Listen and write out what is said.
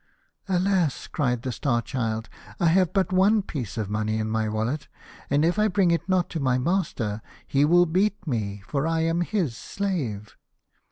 " Alas !" cried the Star Child, " I have but one piece of money in my wallet, and if I bring it not to my master he will beat me, for I am his slave."